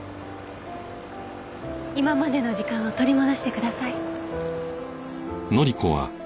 今までの時間を取り戻してください。